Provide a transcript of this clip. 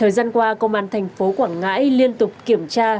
ngay qua công an tp quảng ngãi liên tục kiểm tra